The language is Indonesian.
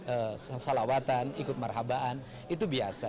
ee salawatan ikut marhabaan itu biasa